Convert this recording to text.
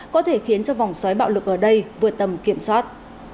có thể khiến cho vòng xoáy bạo lực ở đây vượt tầm kiểm soát